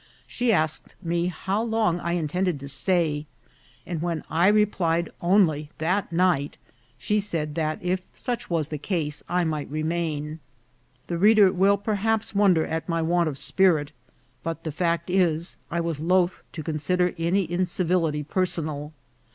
She asked me how long I intend ed to stay ; and when I replied only that night, she said that if such was the case I might remain. The reader will perhaps wonder at my want of spirit ; but the fact is, I was loth to consider any incivility person al.